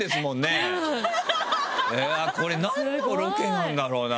これ何のロケなんだろうな？